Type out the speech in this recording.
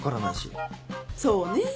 そうねぇ。